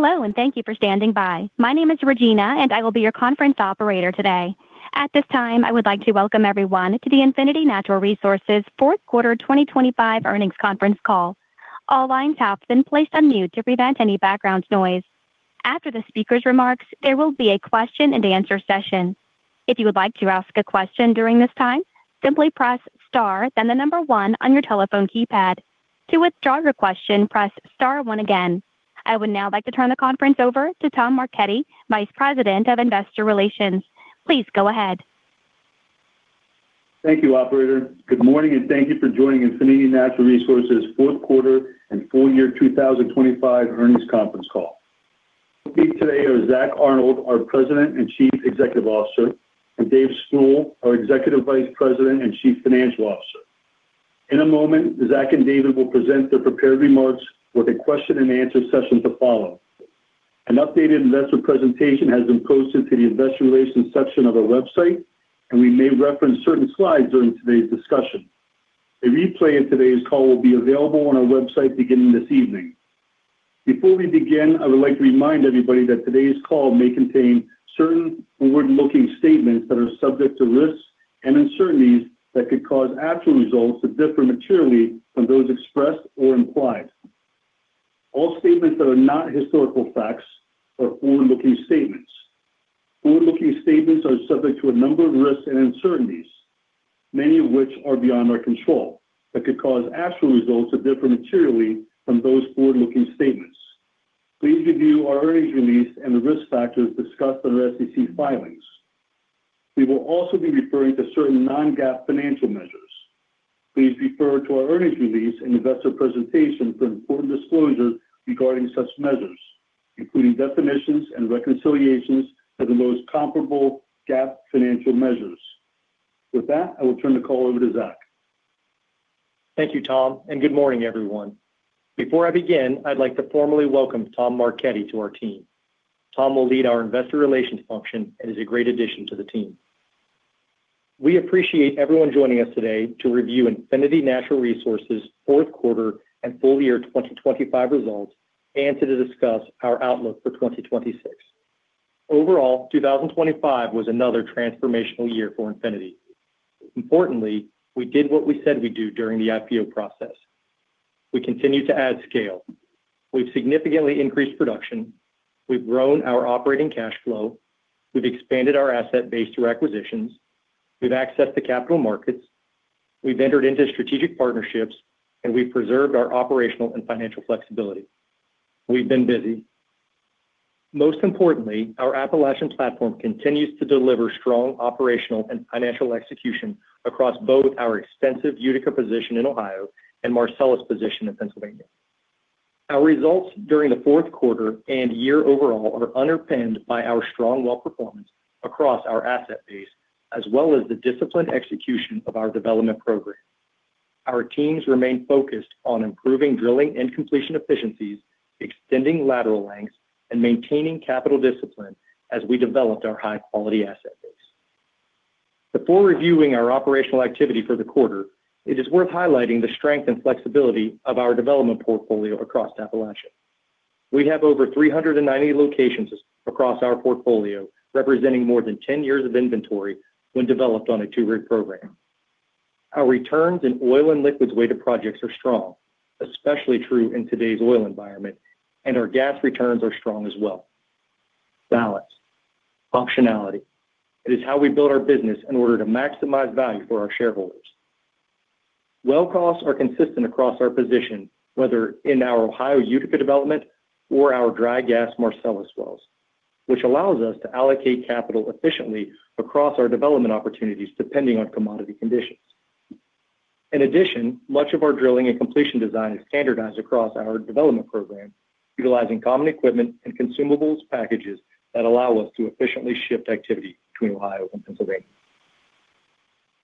Hello, and thank you for standing by. My name is Regina, and I will be your conference operator today. At this time, I would like to welcome everyone to the Infinity Natural Resources fourth quarter 2025 earnings conference call. All lines have been placed on mute to prevent any background noise. After the speaker's remarks, there will be a question and answer session. If you would like to ask a question during this time, simply press star then the number one on your telephone keypad. To withdraw your question, press star one again. I would now like to turn the conference over to Tom Marchetti, Vice President of Investor Relations. Please go ahead. Thank you, operator. Good morning, and thank you for joining Infinity Natural Resources fourth quarter and full year 2025 earnings conference call. Speaking today are Zack Arnold, our President and Chief Executive Officer, and David Sproule, our Executive Vice President and Chief Financial Officer. In a moment, Zack and Dave will present their prepared remarks with a question-and-answer session to follow. An updated investor presentation has been posted to the investor relations section of our website, and we may reference certain slides during today's discussion. A replay of today's call will be available on our website beginning this evening. Before we begin, I would like to remind everybody that today's call may contain certain forward-looking statements that are subject to risks and uncertainties that could cause actual results to differ materially from those expressed or implied. All statements that are not historical facts are forward-looking statements. Forward-looking statements are subject to a number of risks and uncertainties, many of which are beyond our control, that could cause actual results to differ materially from those forward-looking statements. Please review our earnings release and the risk factors discussed in our SEC filings. We will also be referring to certain non-GAAP financial measures. Please refer to our earnings release and investor presentation for important disclosures regarding such measures, including definitions and reconciliations to the most comparable GAAP financial measures. With that, I will turn the call over to Zack. Thank you, Tom, and good morning, everyone. Before I begin, I'd like to formally welcome Tom Marchetti to our team. Tom will lead our investor relations function and is a great addition to the team. We appreciate everyone joining us today to review Infinity Natural Resources' fourth quarter and full year 2025 results and to discuss our outlook for 2026. Overall, 2025 was another transformational year for Infinity. Importantly, we did what we said we'd do during the IPO process. We continue to add scale. We've significantly increased production. We've grown our operating cash flow. We've expanded our asset base through acquisitions. We've accessed the capital markets. We've entered into strategic partnerships, and we've preserved our operational and financial flexibility. We've been busy. Most importantly, our Appalachian platform continues to deliver strong operational and financial execution across both our extensive Utica position in Ohio and Marcellus position in Pennsylvania. Our results during the fourth quarter and year overall are underpinned by our strong well performance across our asset base as well as the disciplined execution of our development program. Our teams remain focused on improving drilling and completion efficiencies, extending lateral lengths, and maintaining capital discipline as we developed our high-quality asset base. Before reviewing our operational activity for the quarter, it is worth highlighting the strength and flexibility of our development portfolio across Appalachia. We have over 390 locations across our portfolio, representing more than 10 years of inventory when developed on a two rig program. Our returns in oil and liquids weighted projects are strong, especially true in today's oil environment, and our gas returns are strong as well. Balance. Functionality. It is how we build our business in order to maximize value for our shareholders. Well costs are consistent across our position, whether in our Ohio Utica development or our dry gas Marcellus wells, which allows us to allocate capital efficiently across our development opportunities depending on commodity conditions. In addition, much of our drilling and completion design is standardized across our development program, utilizing common equipment and consumables packages that allow us to efficiently shift activity between Ohio and Pennsylvania.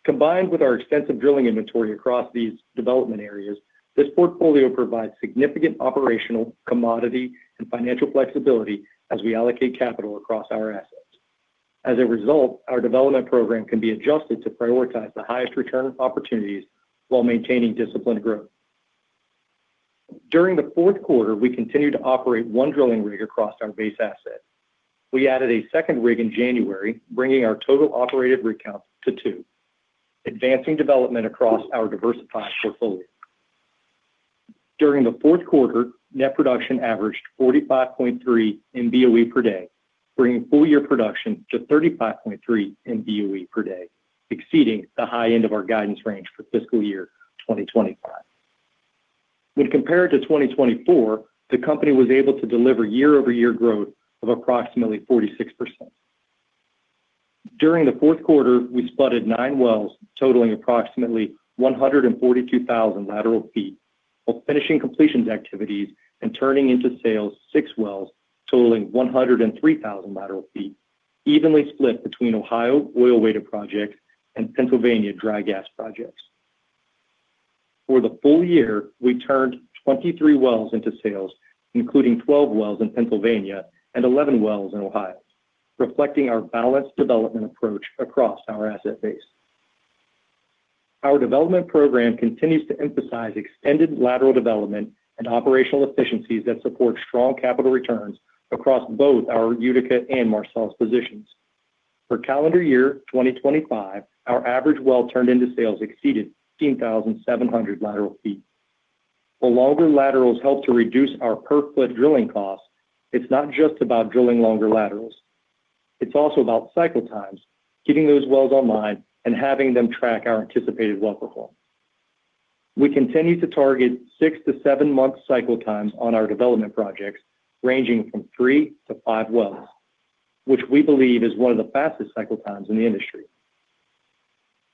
Combined with our extensive drilling inventory across these development areas, this portfolio provides significant operational, commodity, and financial flexibility as we allocate capital across our assets. As a result, our development program can be adjusted to prioritize the highest return opportunities while maintaining disciplined growth. During the fourth quarter, we continued to operate one drilling rig across our base asset. We added a second rig in January, bringing our total operated rig count to two, advancing development across our diversified portfolio. During the fourth quarter, net production averaged 45.3 MBOE per day, bringing full year production to 35.3 MBOE per day, exceeding the high end of our guidance range for fiscal year 2025. When compared to 2024, the company was able to deliver year-over-year growth of approximately 46%. During the fourth quarter, we spudded nine wells totaling approximately 142,000 lateral feet while finishing completions activities and turning into sales six wells totaling 103,000 lateral feet evenly split between Ohio oil weighted projects and Pennsylvania dry gas projects. For the full year, we turned 23 wells into sales, including 12 wells in Pennsylvania and 11 wells in Ohio, reflecting our balanced development approach across our asset base. Our development program continues to emphasize extended lateral development and operational efficiencies that support strong capital returns across both our Utica and Marcellus positions. For calendar year 2025, our average well turned into sales exceeded 15,700 lateral feet. While longer laterals help to reduce our per-foot drilling costs, it's not just about drilling longer laterals. It's also about cycle times, keeping those wells online, and having them track our anticipated well performance. We continue to target six-seven month cycle times on our development projects, ranging from three-five wells, which we believe is one of the fastest cycle times in the industry.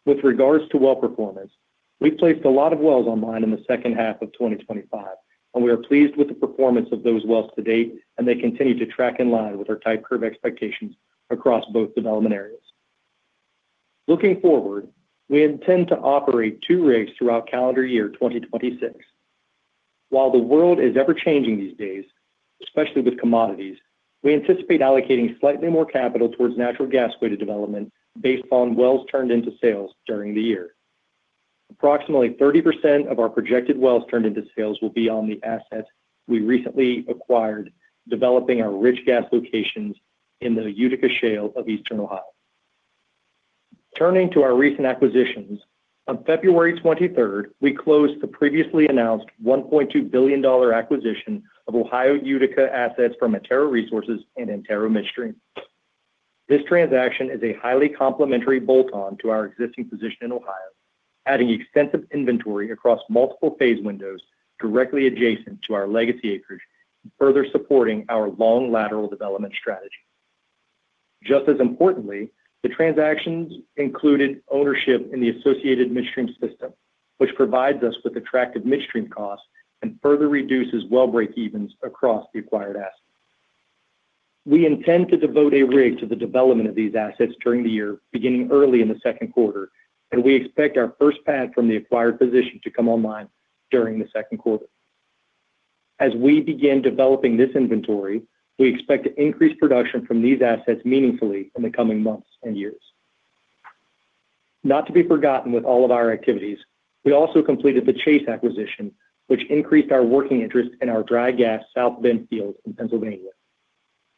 With regards to well performance, we placed a lot of wells online in the second half of 2025, and we are pleased with the performance of those wells to date, and they continue to track in line with our type curve expectations across both development areas. Looking forward, we intend to operate two rigs throughout calendar year 2026. While the world is ever-changing these days, especially with commodities, we anticipate allocating slightly more capital towards natural gas-weighted development based on wells turned into sales during the year. Approximately 30% of our projected wells turned into sales will be on the assets we recently acquired, developing our rich gas locations in the Utica Shale of Eastern Ohio. Turning to our recent acquisitions, on February 23, we closed the previously announced $1.2 billion acquisition of Ohio Utica assets from Antero Resources and Antero Midstream. This transaction is a highly complementary bolt-on to our existing position in Ohio, adding extensive inventory across multiple phase windows directly adjacent to our legacy acreage, further supporting our long lateral development strategy. Just as importantly, the transactions included ownership in the associated midstream system, which provides us with attractive midstream costs and further reduces well break-evens across the acquired assets. We intend to devote a rig to the development of these assets during the year, beginning early in the second quarter, and we expect our first pad from the acquired position to come online during the second quarter. As we begin developing this inventory, we expect to increase production from these assets meaningfully in the coming months and years. Not to be forgotten with all of our activities, we also completed the Chase acquisition, which increased our working interest in our dry gas South Bend field in Pennsylvania.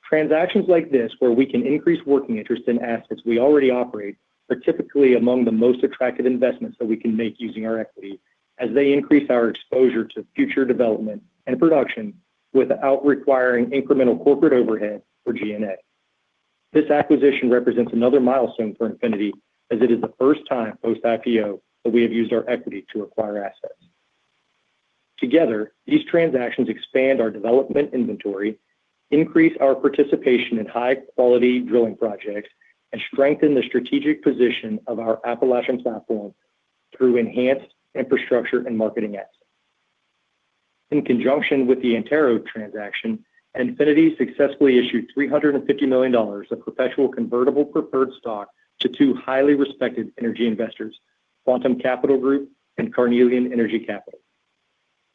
Transactions like this, where we can increase working interest in assets we already operate, are typically among the most attractive investments that we can make using our equity as they increase our exposure to future development and production without requiring incremental corporate overhead for G&A. This acquisition represents another milestone for Infinity as it is the first time post-IPO that we have used our equity to acquire assets. Together, these transactions expand our development inventory, increase our participation in high-quality drilling projects, and strengthen the strategic position of our Appalachian platform through enhanced infrastructure and marketing assets. In conjunction with the Antero transaction, Infinity successfully issued $350 million of perpetual convertible preferred stock to two highly respected energy investors, Quantum Capital Group and Carnelian Energy Capital.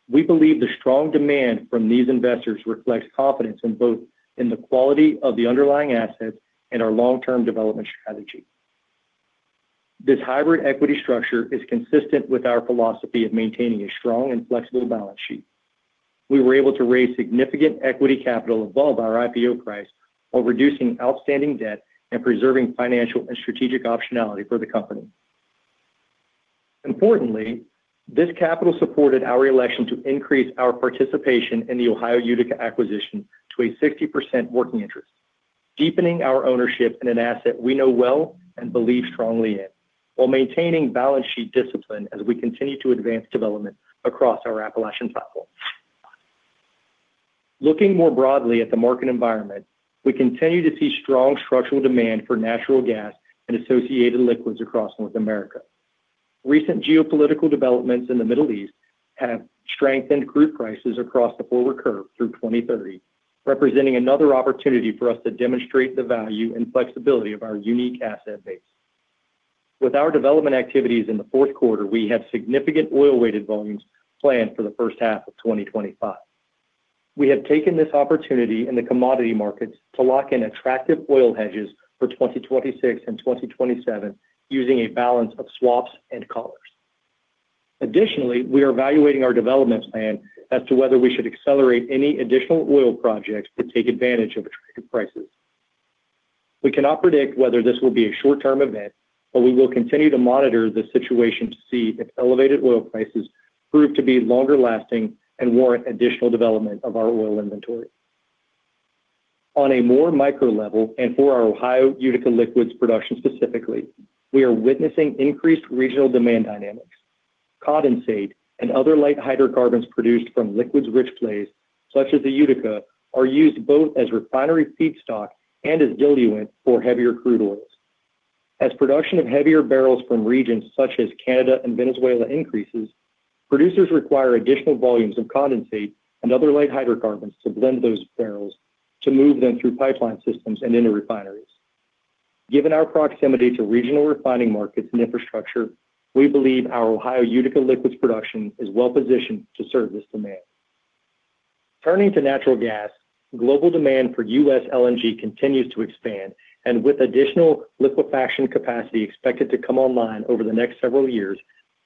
We believe the strong demand from these investors reflects confidence in both the quality of the underlying assets and our long-term development strategy. This hybrid equity structure is consistent with our philosophy of maintaining a strong and flexible balance sheet. We were able to raise significant equity capital above our IPO price while reducing outstanding debt and preserving financial and strategic optionality for the company. Importantly, this capital supported our election to increase our participation in the Ohio Utica acquisition to a 60% working interest, deepening our ownership in an asset we know well and believe strongly in, while maintaining balance sheet discipline as we continue to advance development across our Appalachian platform. Looking more broadly at the market environment, we continue to see strong structural demand for natural gas and associated liquids across North America. Recent geopolitical developments in the Middle East have strengthened crude prices across the forward curve through 2030, representing another opportunity for us to demonstrate the value and flexibility of our unique asset base. With our development activities in the fourth quarter, we have significant oil-weighted volumes planned for the first half of 2025. We have taken this opportunity in the commodity markets to lock in attractive oil hedges for 2026 and 2027 using a balance of swaps and collars. Additionally, we are evaluating our development plan as to whether we should accelerate any additional oil projects to take advantage of attractive prices. We cannot predict whether this will be a short-term event, but we will continue to monitor the situation to see if elevated oil prices prove to be longer lasting and warrant additional development of our oil inventory. On a more micro level, and for our Ohio Utica liquids production specifically, we are witnessing increased regional demand dynamics. Condensate and other light hydrocarbons produced from liquids-rich plays, such as the Utica, are used both as refinery feedstock and as diluent for heavier crude oils. As production of heavier barrels from regions such as Canada and Venezuela increases, producers require additional volumes of condensate and other light hydrocarbons to blend those barrels to move them through pipeline systems and into refineries. Given our proximity to regional refining markets and infrastructure, we believe our Ohio Utica liquids production is well positioned to serve this demand. Turning to natural gas, global demand for U.S. LNG continues to expand. With additional liquefaction capacity expected to come online over the next several years,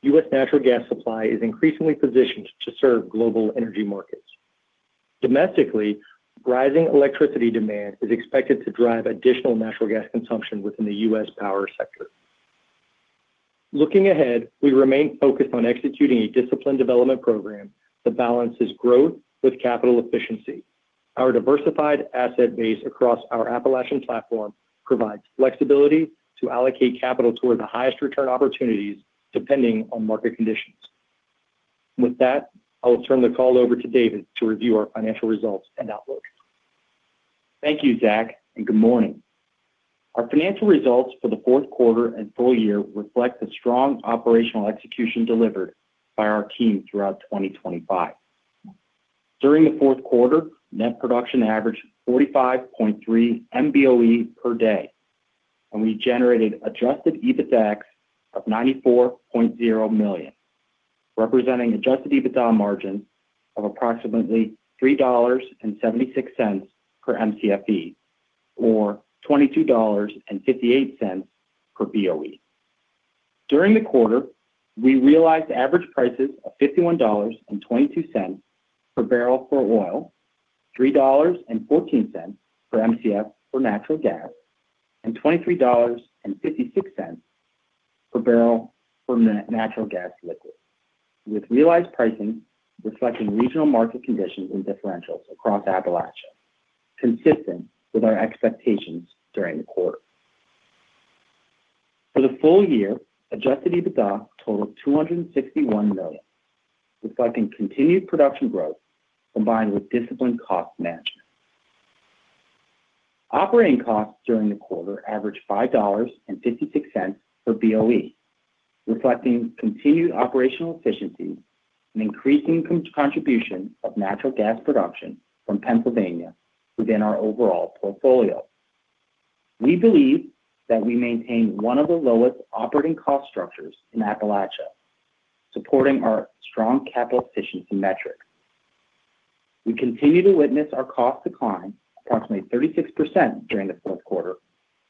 U.S. natural gas supply is increasingly positioned to serve global energy markets. Domestically, rising electricity demand is expected to drive additional natural gas consumption within the U.S. power sector. Looking ahead, we remain focused on executing a disciplined development program that balances growth with capital efficiency. Our diversified asset base across our Appalachian platform provides flexibility to allocate capital toward the highest return opportunities depending on market conditions. With that, I will turn the call over to David to review our financial results and outlook. Thank you, Zach, and good morning. Our financial results for the fourth quarter and full year reflect the strong operational execution delivered by our team throughout 2025. During the fourth quarter, net production averaged 45.3 MBOE per day, and we generated Adjusted EBITDA of $94.0 million, representing Adjusted EBITDA margin of approximately $3.76 per Mcfe or $22.58 per Boe. During the quarter, we realized average prices of $51.22 per barrel for oil, $3.14 for Mcf for natural gas, and $23.56 per barrel for natural gas liquids, with realized pricing reflecting regional market conditions and differentials across Appalachia, consistent with our expectations during the quarter. For the full year, Adjusted EBITDA totaled $261 million, reflecting continued production growth combined with disciplined cost management. Operating costs during the quarter averaged $5.56 per Boe, reflecting continued operational efficiencies and increasing contribution of natural gas production from Pennsylvania within our overall portfolio. We believe that we maintain one of the lowest operating cost structures in Appalachia, supporting our strong capital efficiency metric. We continue to witness our cost decline approximately 36% during the fourth quarter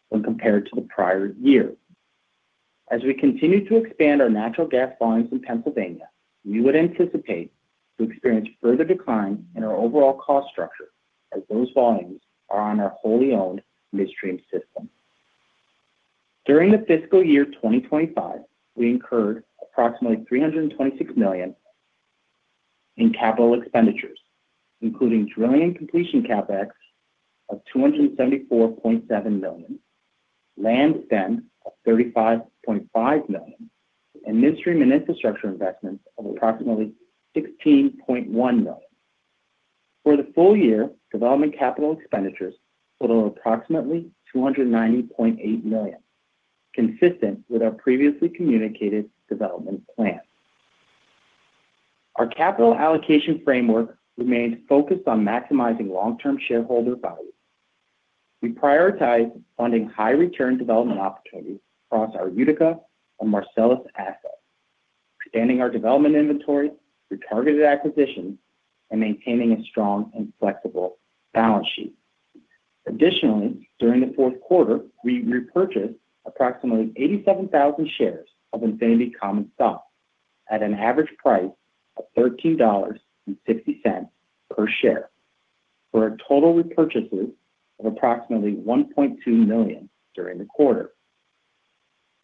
when compared to the prior year. As we continue to expand our natural gas volumes in Pennsylvania, we would anticipate to experience further decline in our overall cost structure as those volumes are on our wholly owned midstream system. During the fiscal year 2025, we incurred approximately $326 million in capital expenditures, including drilling and completion CapEx of $274.7 million, land spend of $35.5 million, and midstream and infrastructure investments of approximately $16.1 million. For the full year, development capital expenditures totaled approximately $290.8 million, consistent with our previously communicated development plan. Our capital allocation framework remains focused on maximizing long-term shareholder value. We prioritize funding high return development opportunities across our Utica and Marcellus assets, expanding our development inventory through targeted acquisitions and maintaining a strong and flexible balance sheet. Additionally, during the fourth quarter, we repurchased approximately 87,000 shares of Infinity common stock at an average price of $13.60 per share for a total repurchases of approximately $1.2 million during the quarter.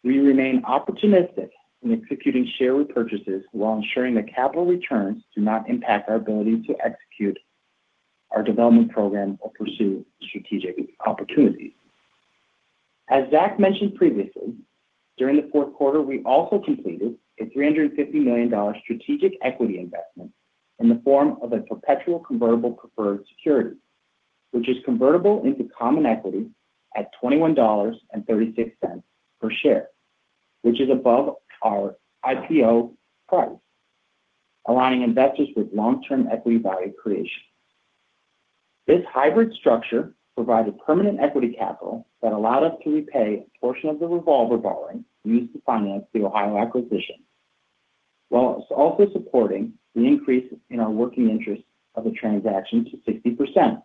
We remain opportunistic in executing share repurchases while ensuring the capital returns do not impact our ability to execute our development program or pursue strategic opportunities. As Zack mentioned previously, during the fourth quarter, we also completed a $350 million strategic equity investment in the form of a perpetual convertible preferred security, which is convertible into common equity at $21.36 per share. Which is above our IPO price, aligning investors with long-term equity value creation. This hybrid structure provided permanent equity capital that allowed us to repay a portion of the revolver borrowing used to finance the Ohio acquisition, while also supporting the increase in our working interest of the transaction to 60%.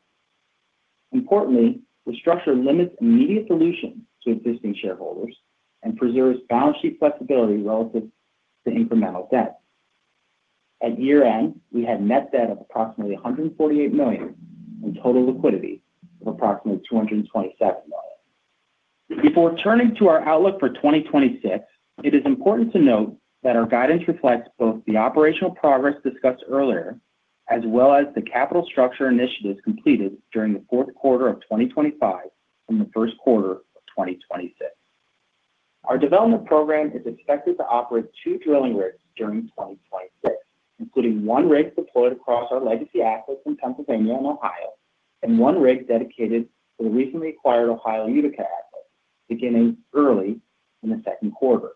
Importantly, the structure limits immediate dilution to existing shareholders and preserves balance sheet flexibility relative to incremental debt. At year-end, we had net debt of approximately $148 million and total liquidity of approximately $227 million. Before turning to our outlook for 2026, it is important to note that our guidance reflects both the operational progress discussed earlier, as well as the capital structure initiatives completed during the fourth quarter of 2025 and the first quarter of 2026. Our development program is expected to operate two drilling rigs during 2026, including one rig deployed across our legacy assets in Pennsylvania and Ohio, and one rig dedicated to the recently acquired Ohio Utica assets beginning early in the second quarter.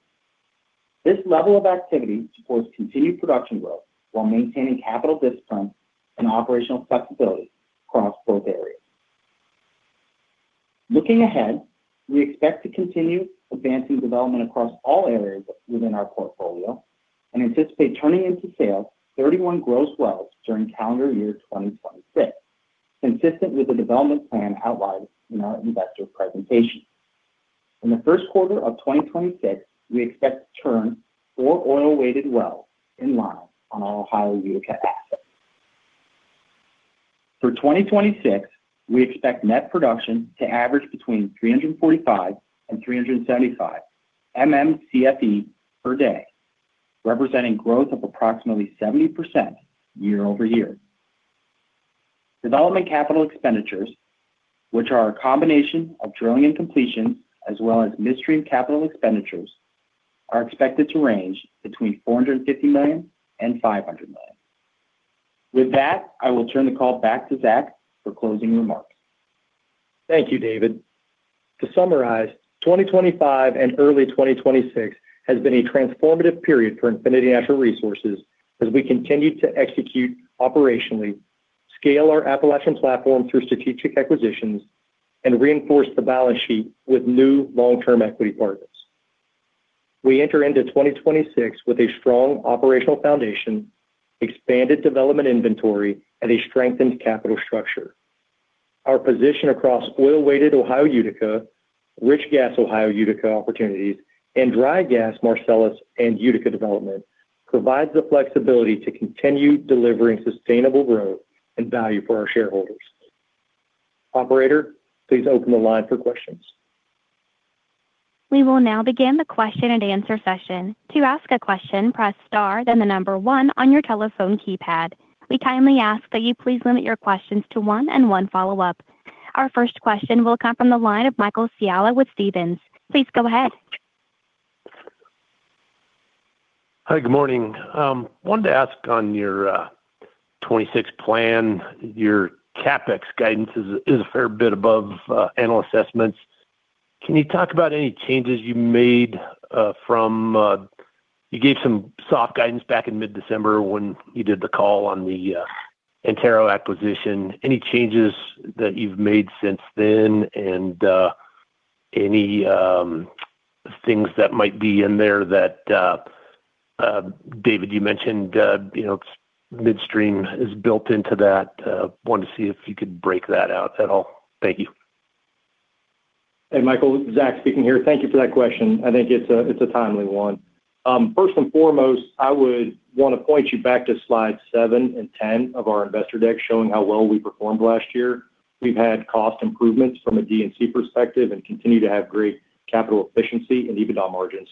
This level of activity supports continued production growth while maintaining capital discipline and operational flexibility across both areas. Looking ahead, we expect to continue advancing development across all areas within our portfolio and anticipate turning to sales 31 gross wells during calendar year 2026, consistent with the development plan outlined in our investor presentation. In the first quarter of 2026, we expect to turn four oil-weighted wells in line on our Ohio Utica asset. For 2026, we expect net production to average between 345 and 375 MMcfe per day, representing growth of approximately 70% year-over-year. Development capital expenditures, which are a combination of drilling and completion as well as midstream capital expenditures, are expected to range between $450 million and $500 million. With that, I will turn the call back to Zack for closing remarks. Thank you, David. To summarize, 2025 and early 2026 has been a transformative period for Infinity Natural Resources as we continue to execute operationally, scale our Appalachian platform through strategic acquisitions, and reinforce the balance sheet with new long-term equity partners. We enter into 2026 with a strong operational foundation, expanded development inventory, and a strengthened capital structure. Our position across oil-weighted Ohio Utica, rich gas Ohio Utica opportunities, and dry gas Marcellus and Utica development provides the flexibility to continue delivering sustainable growth and value for our shareholders. Operator, please open the line for questions. We will now begin the question and answer session. To ask a question, press star, then the number one on your telephone keypad. We kindly ask that you please limit your questions to one and one follow-up. Our first question will come from the line of Michael Scialla with Stephens. Please go ahead. Hi. Good morning. Wanted to ask on your 2026 plan. Your CapEx guidance is a fair bit above annual assessments. Can you talk about any changes you made from you gave some soft guidance back in mid-December when you did the call on the Antero acquisition. Any changes that you've made since then and any things that might be in there that David you mentioned, you know, midstream is built into that. Wanted to see if you could break that out at all. Thank you. Hey, Michael, Zach speaking here. Thank you for that question. I think it's a timely one. First and foremost, I would want to point you back to slide 7 and 10 of our investor deck showing how well we performed last year. We've had cost improvements from a D&C perspective and continue to have great capital efficiency and EBITDA margin.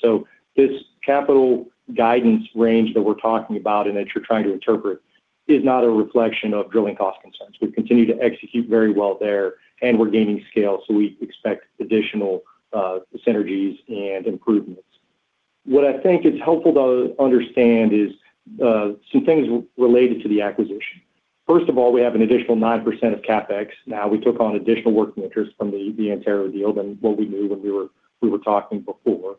This capital guidance range that we're talking about and that you're trying to interpret is not a reflection of drilling cost concerns. We continue to execute very well there, and we're gaining scale, so we expect additional synergies and improvements. What I think is helpful to understand is some things related to the acquisition. First of all, we have an additional 9% of CapEx. Now, we took on additional working interest from the Antero deal than what we knew when we were talking before.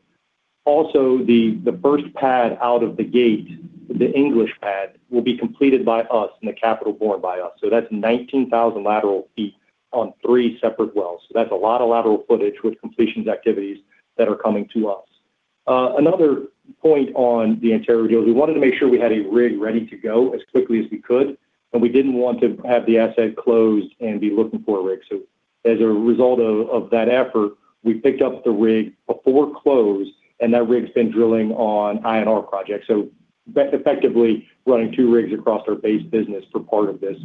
Also, the first pad out of the gate, the English pad, will be completed by us and the capital borne by us. That's 19,000 lateral feet on three separate wells. That's a lot of lateral footage with completions activities that are coming to us. Another point on the Antero deal, we wanted to make sure we had a rig ready to go as quickly as we could, and we didn't want to have the asset closed and be looking for a rig. As a result of that effort, we picked up the rig before close, and that rig's been drilling on INR projects. Effectively, running two rigs across our base business for part of this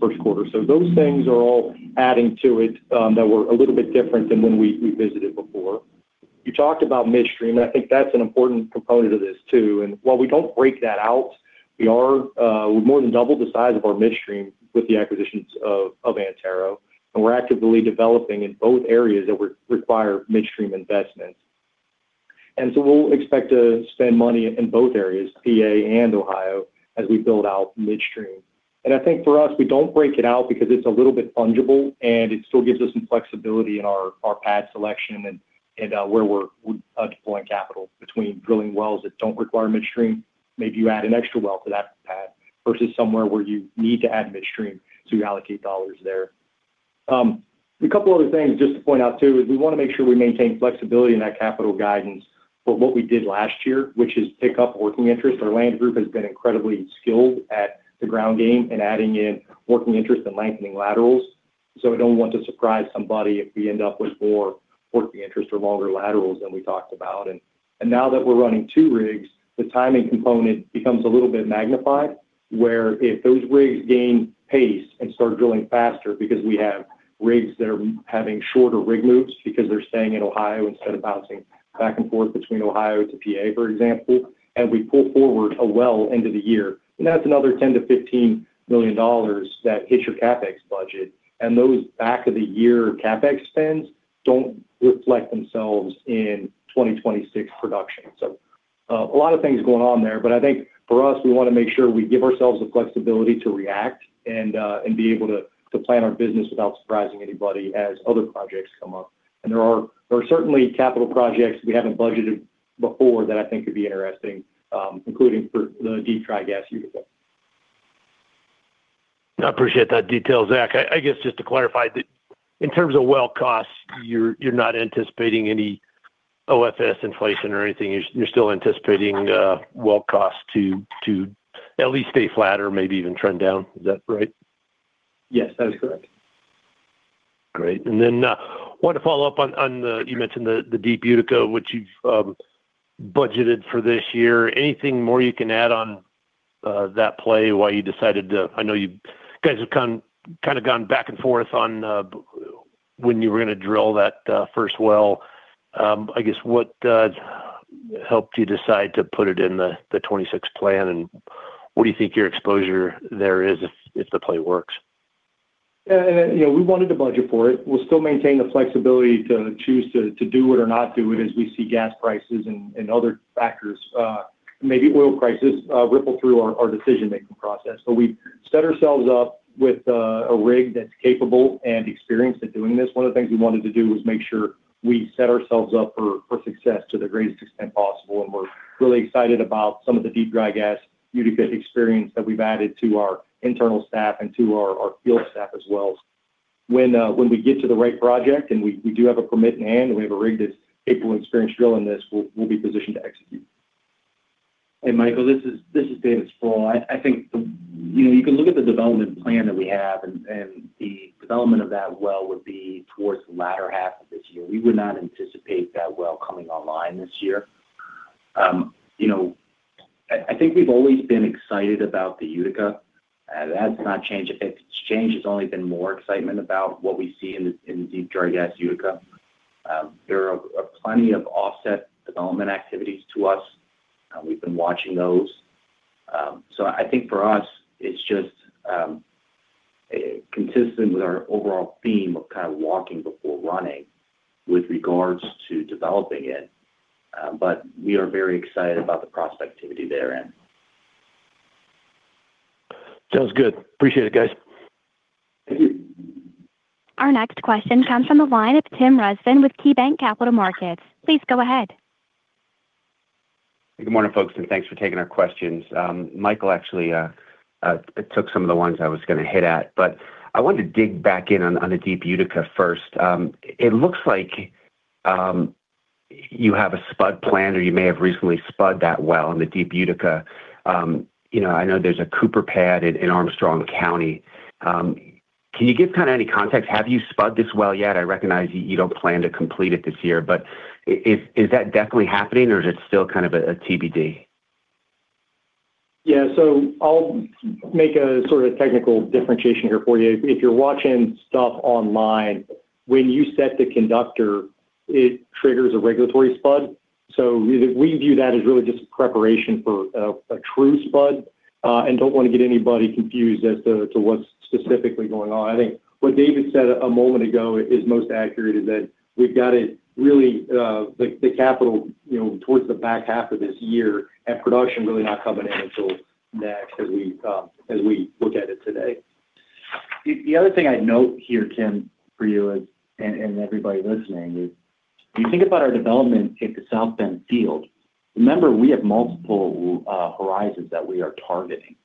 first quarter. Those things are all adding to it, that were a little bit different than when we visited before. You talked about midstream, and I think that's an important component of this too. While we don't break that out, we more than doubled the size of our midstream with the acquisitions of Antero, and we're actively developing in both areas that require midstream investments. We'll expect to spend money in both areas, PA and Ohio, as we build out midstream. I think for us, we don't break it out because it's a little bit fungible, and it still gives us some flexibility in our pad selection and where we're deploying capital between drilling wells that don't require midstream. Maybe you add an extra well to that pad versus somewhere where you need to add midstream, so you allocate dollars there. A couple other things just to point out too is we wanna make sure we maintain flexibility in that capital guidance. What we did last year, which is pick up working interest, our land group has been incredibly skilled at the ground game and adding in working interest and lengthening laterals. We don't want to surprise somebody if we end up with more working interest or longer laterals than we talked about. Now that we're running two rigs, the timing component becomes a little bit magnified, where if those rigs gain pace and start drilling faster because we have rigs that are having shorter rig loops because they're staying in Ohio instead of bouncing back and forth between Ohio to PA, for example, and we pull forward a well into the year, and that's another $10 million-$15 million that hits your CapEx budget. Those back of the year CapEx spends don't reflect themselves in 2026 production. A lot of things going on there, but I think for us, we wanna make sure we give ourselves the flexibility to react and be able to plan our business without surprising anybody as other projects come up. There are certainly capital projects we haven't budgeted before that I think could be interesting, including for the dry gas Utica. I appreciate that detail, Zach. I guess just to clarify that in terms of well costs, you're not anticipating any OFS inflation or anything. You're still anticipating well costs to at least stay flat or maybe even trend down. Is that right? Yes, that is correct. Great. Then want to follow up on you mentioned the deep Utica, which you've budgeted for this year. Anything more you can add on that play, why you decided to, I know you guys have kind of gone back and forth on when you were gonna drill that first well. I guess what helped you decide to put it in the 2026 plan, and what do you think your exposure there is if the play works? Yeah. You know, we wanted to budget for it. We'll still maintain the flexibility to choose to do it or not do it as we see gas prices and other factors, maybe oil prices, ripple through our decision-making process. But we've set ourselves up with a rig that's capable and experienced at doing this. One of the things we wanted to do was make sure we set ourselves up for success to the greatest extent possible, and we're really excited about some of the deep dry gas Utica experience that we've added to our internal staff and to our field staff as well. When we get to the right project and we do have a permit in hand, and we have a rig that's capable and experienced drilling this, we'll be positioned to execute. Hey, Michael, this is David Sproule. I think, you know, you can look at the development plan that we have and the development of that well would be towards the latter half of this year. We would not anticipate that well coming online this year. You know, I think we've always been excited about the Utica. That's not changed. It's changed. It's only been more excitement about what we see in the deep dry gas Utica. There are plenty of offset development activities to us. We've been watching those. So I think for us it's just consistent with our overall theme of kind of walking before running with regards to developing it. But we are very excited about the prospectivity therein. Sounds good. Appreciate it, guys. Our next question comes from the line of Tim Rezvan with KeyBanc Capital Markets. Please go ahead. Good morning, folks, and thanks for taking our questions. Michael actually took some of the ones I was gonna hit at, but I wanted to dig back in on the deep Utica first. It looks like you have a spud plan or you may have recently spud that well in the deep Utica. You know, I know there's a Cooper pad in Armstrong County. Can you give kind of any context? Have you spud this well yet? I recognize you don't plan to complete it this year, but is that definitely happening or is it still kind of a TBD? Yeah. I'll make a sort of technical differentiation here for you. If you're watching stuff online, when you set the conductor, it triggers a regulatory spud. We view that as really just preparation for a true spud, and don't wanna get anybody confused as to what's specifically going on. I think what David said a moment ago is most accurate, is that we've got it really like the capital, you know, towards the back half of this year and production really not coming in until next as we look at it today. The other thing I'd note here, Tim, for you is, and everybody listening is, when you think about our development at the South Bend field, remember we have multiple horizons that we are targeting.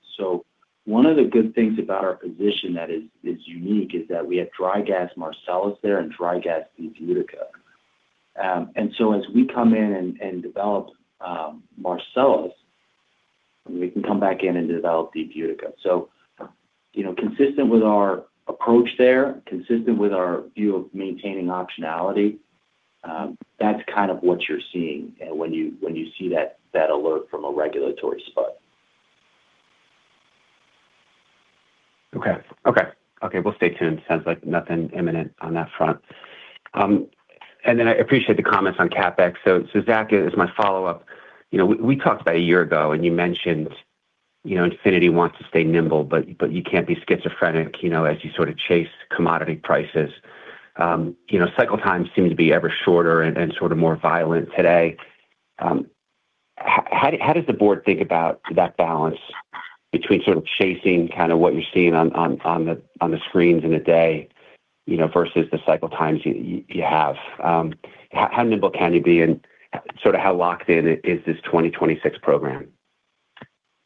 One of the good things about our position that is unique is that we have dry gas Marcellus there and dry gas deep Utica. As we come in and develop Marcellus, we can come back in and develop deep Utica. You know, consistent with our approach there, consistent with our view of maintaining optionality, that's kind of what you're seeing when you see that alert from a regulatory spud. Okay, we'll stay tuned. Sounds like nothing imminent on that front. I appreciate the comments on CapEx. Zack, as my follow-up, you know, we talked about a year ago and you mentioned, you know, Infinity wants to stay nimble, but you can't be schizophrenic, you know, as you sort of chase commodity prices. You know, cycle times seem to be ever shorter and sort of more violent today. How does the board think about that balance between sort of chasing kind of what you're seeing on the screens in a day, you know, versus the cycle times you have? How nimble can you be and sort of how locked in is this 2026 program?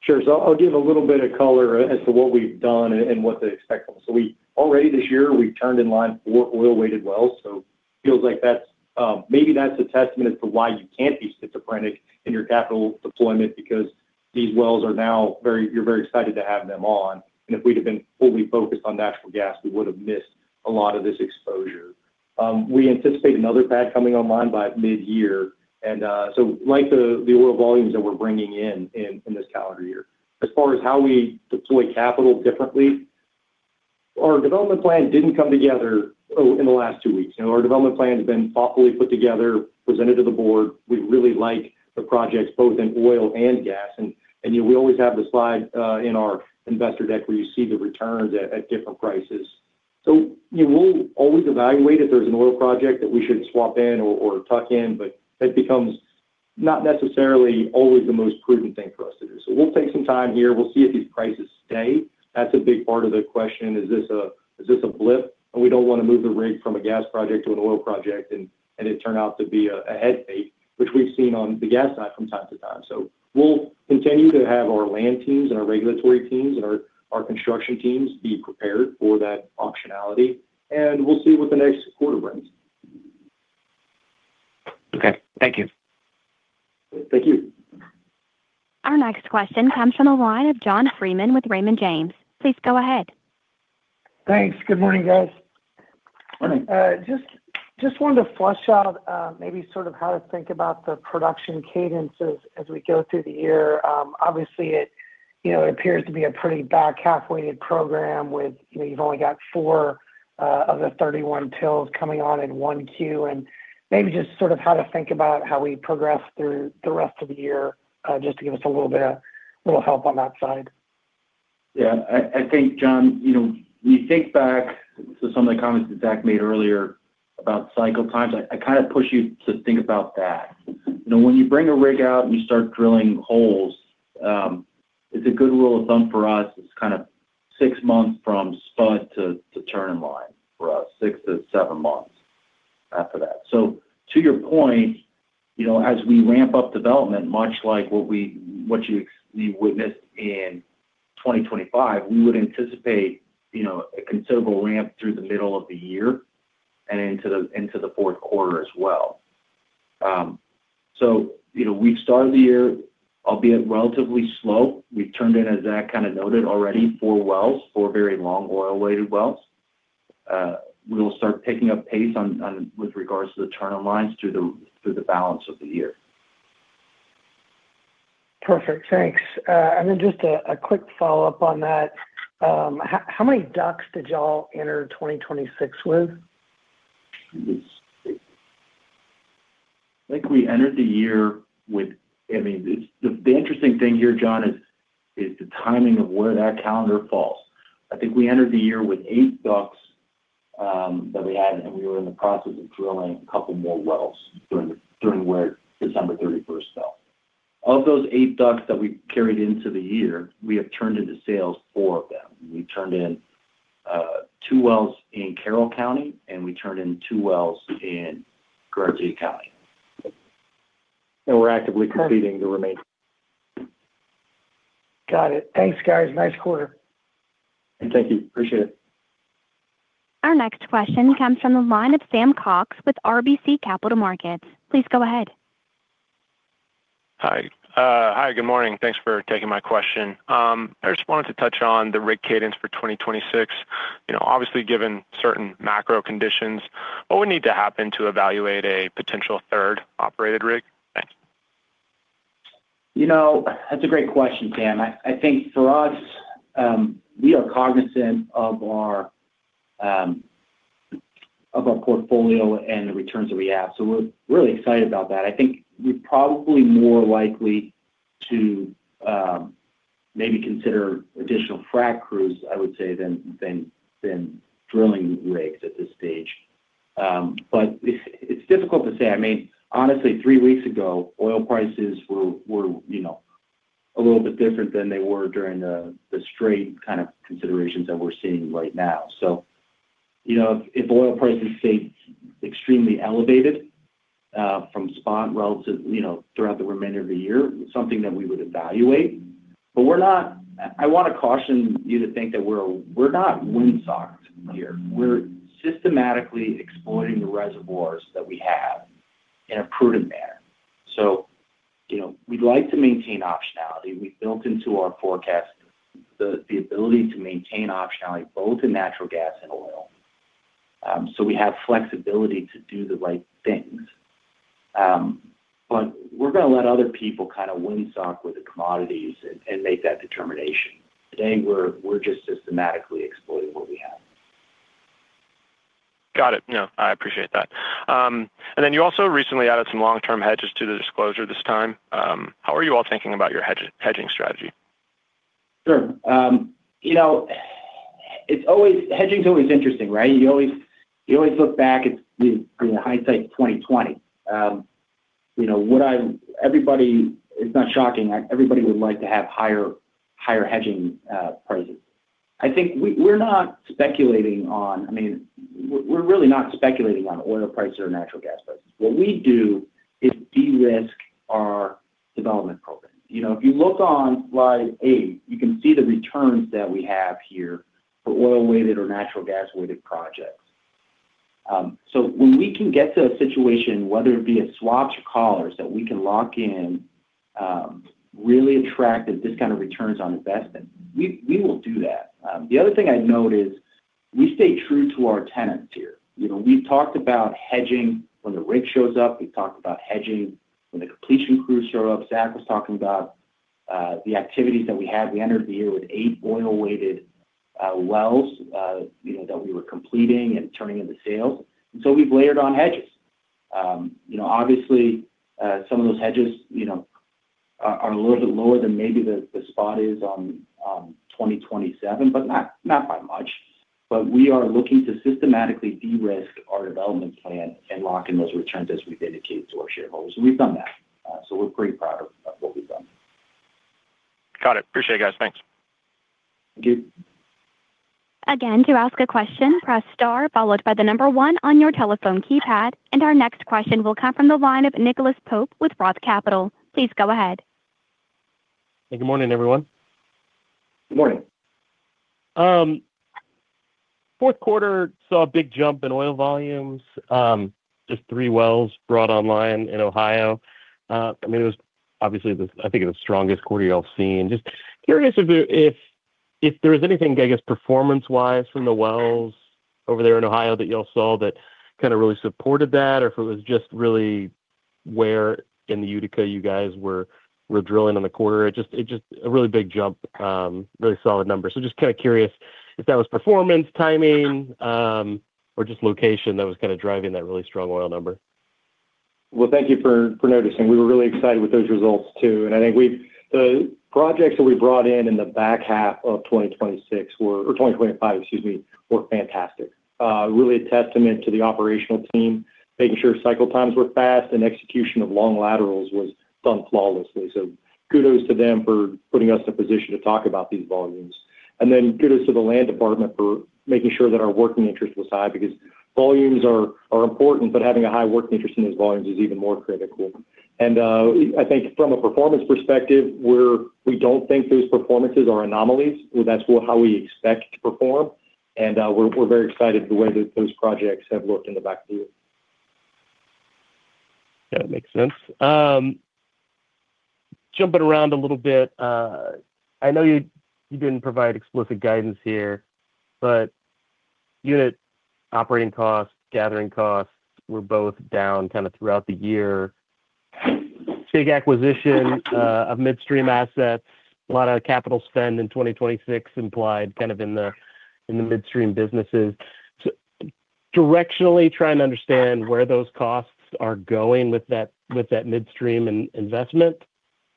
Sure. I'll give a little bit of color as to what we've done and what to expect. Already this year we've turned in line four oil-weighted wells. Feels like that's maybe that's a testament as to why you can't be schizophrenic in your capital deployment because these wells are now you're very excited to have them on. If we'd have been fully focused on natural gas, we would have missed a lot of this exposure. We anticipate another pad coming online by mid-year and so like the oil volumes that we're bringing in in this calendar year. As far as how we deploy capital differently, our development plan didn't come together in the last two weeks. You know, our development plan has been thoughtfully put together, presented to the board. We really like the projects both in oil and gas. We always have the slide in our investor deck where you see the returns at different prices. We'll always evaluate if there's an oil project that we should swap in or tuck in, but that becomes not necessarily always the most prudent thing for us to do. We'll take some time here. We'll see if these prices stay. That's a big part of the question. Is this a blip? We don't wanna move the rig from a gas project to an oil project and it turn out to be a head fake, which we've seen on the gas side from time to time. We'll continue to have our land teams and our regulatory teams and our construction teams be prepared for that optionality, and we'll see what the next quarter brings. Okay. Thank you. Thank you. Our next question comes from the line of John Freeman with Raymond James. Please go ahead. Thanks. Good morning, guys. Morning. Just wanted to flesh out maybe sort of how to think about the production cadences as we go through the year. Obviously it you know appears to be a pretty back half-weighted program with you know you've only got four of the 31 wells coming on in 1Q. Maybe just sort of how to think about how we progress through the rest of the year just to give us a little bit, a little help on that side. Yeah. I think, John, you know, when you think back to some of the comments that Zack made earlier about cycle times, I kind of push you to think about that. You know, when you bring a rig out and you start drilling holes, it's a good rule of thumb for us, it's kinda six months from spud to turn in line for us, six to seven months after that. To your point, you know, as we ramp up development, much like what you witnessed in 2025, we would anticipate, you know, a considerable ramp through the middle of the year and into the fourth quarter as well. You know, we've started the year, albeit relatively slow. We've turned in, as Zack kinda noted already, four wells, four very long oil weighted wells. We'll start picking up pace on with regards to the turn on lines through the balance of the year. Perfect. Thanks. Just a quick follow-up on that. How many DUCs did y'all enter 2026 with? The interesting thing here, John, is the timing of where that calendar falls. I think we entered the year with eight DUCs that we had, and we were in the process of drilling a couple more wells during where December thirty-first fell. Of those eight DUCs that we carried into the year, we have turned to sales four of them. We turned in two wells in Carroll County, and we turned in two wells in Guernsey County. We're actively completing the remaining. Got it. Thanks, guys. Nice quarter. Thank you. Appreciate it. Our next question comes from the line of Samuel Cox with RBC Capital Markets. Please go ahead. Hi. Hi, good morning. Thanks for taking my question. I just wanted to touch on the rig cadence for 2026. You know, obviously, given certain macro conditions, what would need to happen to evaluate a potential third operated rig? Thanks. You know, that's a great question, Sam. I think for us, we are cognizant of our portfolio and the returns that we have, so we're really excited about that. I think we're probably more likely to maybe consider additional frac crews, I would say, than drilling rigs at this stage. But it's difficult to say. I mean, honestly, three weeks ago, oil prices were, you know, a little bit different than they were during the straight kind of considerations that we're seeing right now. You know, if oil prices stay extremely elevated from spot relative, you know, throughout the remainder of the year, it's something that we would evaluate. But we're not. I wanna caution you to think that we're not windsocked here. We're systematically exploiting the reservoirs that we have in a prudent manner. You know, we'd like to maintain optionality. We've built into our forecast the ability to maintain optionality both in natural gas and oil. We have flexibility to do the right things. We're gonna let other people kinda windsock with the commodities and make that determination. Today, we're just systematically exploiting what we have. Got it. No, I appreciate that. You also recently added some long-term hedges to the disclosure this time. How are you all thinking about your hedging strategy? Sure. You know, hedging's always interesting, right? You always look back at the, you know, hindsight 20/20. Everybody, it's not shocking, everybody would like to have higher hedging prices. I think we're not speculating on, I mean, we're really not speculating on oil prices or natural gas prices. What we do is de-risk our development program. You know, if you look on slide 8, you can see the returns that we have here for oil-weighted or natural gas-weighted projects. When we can get to a situation, whether it be swaps or collars, that we can lock in really attractive discounted returns on investment, we will do that. The other thing I'd note is we stay true to our tenets here. You know, we've talked about hedging when the rig shows up. We've talked about hedging when the completion crews show up. Zack was talking about the activities that we had. We entered the year with eight oil-weighted wells, you know, that we were completing and turning into sales. We've layered on hedges. You know, obviously, some of those hedges, you know, are a little bit lower than maybe the spot is on 2027, but not by much. We are looking to systematically de-risk our development plan and lock in those returns as we've indicated to our shareholders, and we've done that. We're pretty proud of what we've done. Got it. Appreciate it, guys. Thanks. Thank you. Again, to ask a question, press star followed by the number one on your telephone keypad. Our next question will come from the line of Nicholas Pope with Roth Capital. Please go ahead. Hey, good morning, everyone. Good morning. Fourth quarter saw a big jump in oil volumes. Just three wells brought online in Ohio. I mean, it was obviously, I think, the strongest quarter you all seen. Just curious if there was anything, I guess, performance-wise from the wells over there in Ohio that y'all saw that kinda really supported that, or if it was just really where in the Utica you guys were drilling in the quarter. It just a really big jump, really solid number. Just kinda curious if that was performance timing, or just location that was kinda driving that really strong oil number. Well, thank you for noticing. We were really excited with those results too. I think the projects that we brought in in the back half of 2026 were or 2025, excuse me, were fantastic. Really a testament to the operational team, making sure cycle times were fast and execution of long laterals was done flawlessly. Kudos to them for putting us in a position to talk about these volumes. Kudos to the land department for making sure that our working interest was high because volumes are important, but having a high working interest in those volumes is even more critical. I think from a performance perspective, we don't think those performances are anomalies. Well, that's how we expect to perform. We're very excited the way that those projects have looked in the back field. Yeah, it makes sense. Jumping around a little bit. I know you didn't provide explicit guidance here, but unit operating costs, gathering costs were both down kinda throughout the year. Big acquisition of midstream assets, a lot of capital spend in 2026 implied kind of in the midstream businesses. So directionally trying to understand where those costs are going with that midstream investment.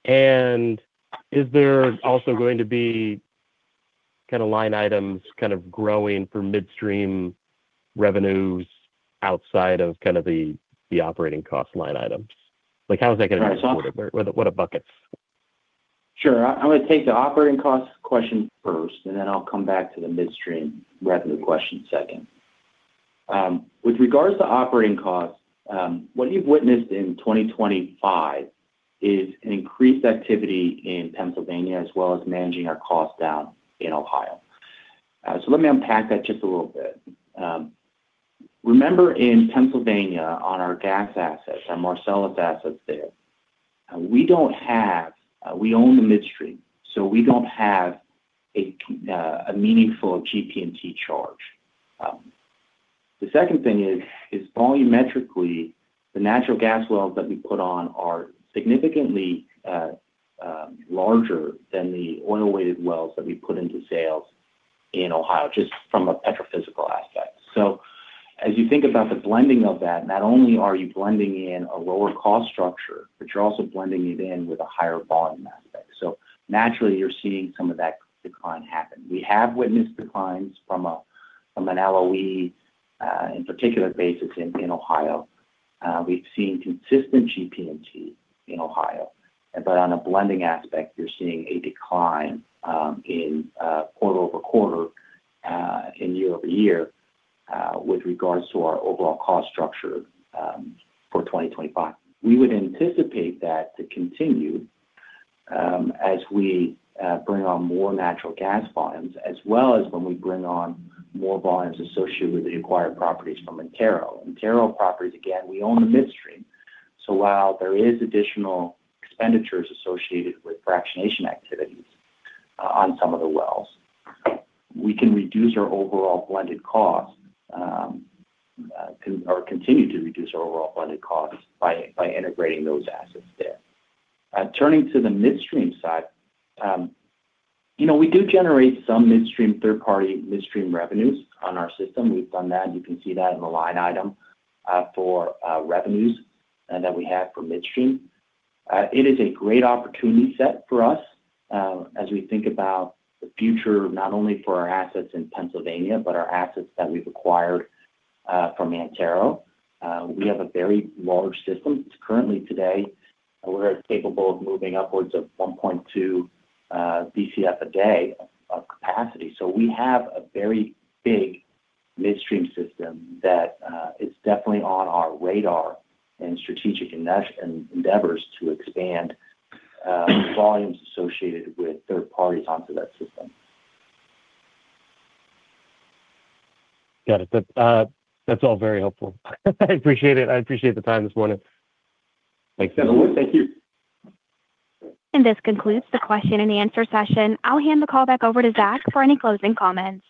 Is there also going to be kinda line items kind of growing for midstream revenues outside of kind of the operating cost line items? Like, how is that gonna look forward? What are buckets? Sure. I'm gonna take the operating cost question first, and then I'll come back to the midstream revenue question second. With regards to operating costs, what you've witnessed in 2025 is an increased activity in Pennsylvania as well as managing our costs down in Ohio. Let me unpack that just a little bit. Remember in Pennsylvania on our gas assets, our Marcellus assets there, we own the midstream, so we don't have a meaningful GP&T charge. The second thing is volumetrically, the natural gas wells that we put on are significantly larger than the oil weighted wells that we put into sales in Ohio, just from a petrophysical aspect. As you think about the blending of that, not only are you blending in a lower cost structure, but you're also blending it in with a higher volume aspect. Naturally you're seeing some of that decline happen. We have witnessed declines from an LOE in particular basis in Ohio. We've seen consistent GP&T in Ohio. On a blending aspect, you're seeing a decline in quarter-over-quarter and year-over-year with regards to our overall cost structure for 2025. We would anticipate that to continue as we bring on more natural gas volumes, as well as when we bring on more volumes associated with the acquired properties from Antero. Antero properties, again, we own the midstream. While there is additional expenditures associated with fractionation activities on some of the wells, we can reduce our overall blended cost or continue to reduce our overall blended costs by integrating those assets there. Turning to the midstream side, you know, we do generate some midstream third party midstream revenues on our system. We've done that. You can see that in the line item for revenues that we have for midstream. It is a great opportunity set for us as we think about the future, not only for our assets in Pennsylvania, but our assets that we've acquired from Antero. We have a very large system. It's currently today we're capable of moving upwards of 1.2 BCF a day of capacity. We have a very big midstream system that is definitely on our radar and strategic endeavors to expand volumes associated with third parties onto that system. Got it. That, that's all very helpful. I appreciate it. I appreciate the time this morning. Thanks. Thank you. This concludes the question and answer session. I'll hand the call back over to Zack for any closing comments.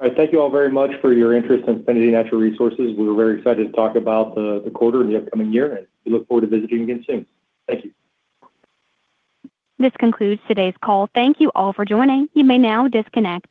All right. Thank you all very much for your interest in Infinity Natural Resources. We're very excited to talk about the quarter and the upcoming year, and we look forward to visiting again soon. Thank you. This concludes today's call. Thank you all for joining. You may now disconnect.